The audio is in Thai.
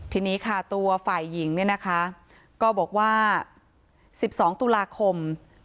ทีนี้ค่ะตัวฝ่ายหญิงเนี่ยนะคะก็บอกว่า๑๒ตุลาคม